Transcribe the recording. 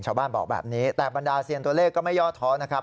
บอกแบบนี้แต่บรรดาเซียนตัวเลขก็ไม่ย่อท้อนะครับ